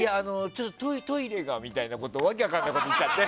トイレがみたいなわけ分かんないこと言っちゃって。